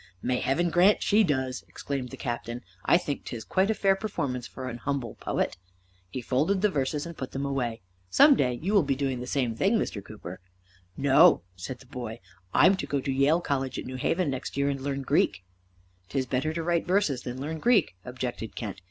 "May Heaven grant she does!" exclaimed the Captain. "I think 'tis quite a fair performance for an humble poet." He folded the verses and put them away. "Some day you will be doing the same thing, Mr. Cooper." "No," said the boy. "I'm to go to Yale College at New Haven next year and learn Greek." "'Tis better to write verses than learn Greek," objected Kent.